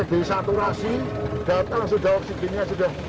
kondisinya desaturasi datang sudah oksigennya sudah